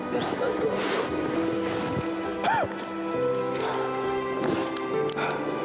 biar saya bantu